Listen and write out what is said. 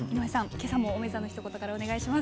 今朝もおめざのひと言からお願いします。